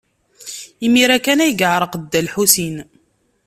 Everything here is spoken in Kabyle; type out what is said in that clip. Imir-a kan ay yeɛreq Dda Lḥusin.